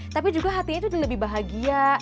tapi juga hatinya itu lebih bahagia